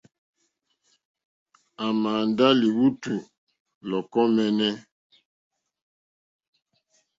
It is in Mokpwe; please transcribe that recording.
À màà ndá lí lùwàtù lɔ̀kɔ́ mǃɛ́ɛ́nɛ́.